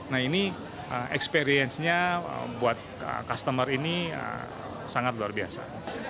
nah ini experience nya buat customer ini sangat luar biasa